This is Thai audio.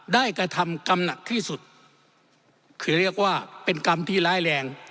กระทำกรรมหนักที่สุดคือเรียกว่าเป็นกรรมที่ร้ายแรง